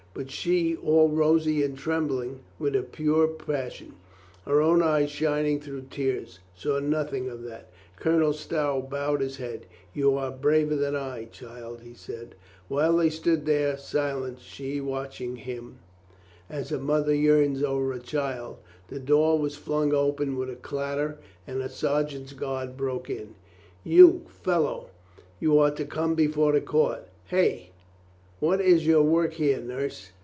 But she, all rosy and trembling with a pure passion, her own eyes shining through tears, saw nothing of that. Colonel Stow bowed his head. "You are braver than I, child," he said. While they stood there silent, she watching him COLONEL STOW IS AWAKED 417 as a mother yearns over a child, the door was flung open with a clatter and a sergeant's guard broke in. "You fellow, you are to come before the court! Hey ! What is your work here, nurse?"